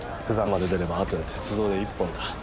釜山まで出ればあとは鉄道で一本だ。